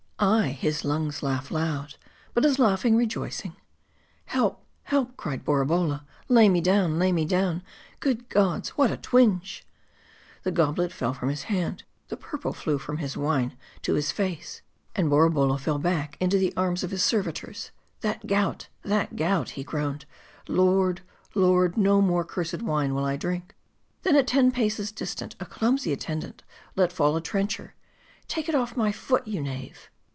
" Ay, his lungs laugh loud ; but is laughing, rejoicing ?"" Help ! help !" cried Borabolla " lay me down ! lay me down ! good gods, what a twinge !" The goblet fell from his hand ; the purple flew from his wine to his face ; and Borabolla fell back into the arms of his servitors. "That gout! that gout!" he groaned. " Lord ! lord ! no more cursed wine will I drink !"..." Then at ten paces distant, a clumsy attendant let fall a trencher " Take it off my foot, you knave